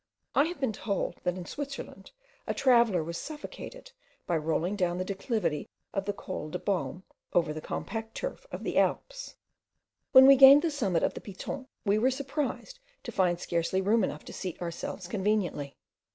I have been told, that in Switzerland a traveller was suffocated by rolling down the declivity of the Col de Balme, over the compact turf of the Alps. When we gained the summit of the Piton, we were surprised to find scarcely room enough to seat ourselves conveniently.